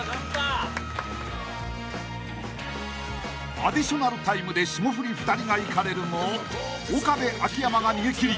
［アディショナルタイムで霜降り２人がいかれるも岡部秋山が逃げ切り